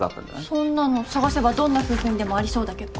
そんなの探せばどんな夫婦にでもありそうだけど。